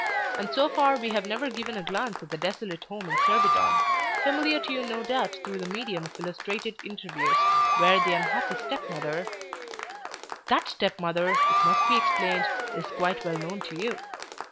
And so far we have never given a glance at the desolate home in Surbiton, familiar to you no doubt through the medium of illustrated interviews, where the unhappy stepmother That stepmother, it must be explained, is quite well known to you.